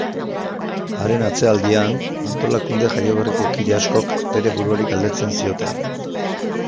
Haren atzealdean, antolakunde jaioberriko kide askok bere buruari galdetzen zioten.